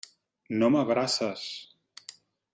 No m'abraces.